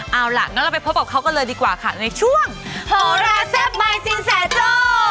เอาล่ะงั้นเราไปพบกับเขากันเลยดีกว่าค่ะในช่วงโหราแซ่บใบสินแสโจ้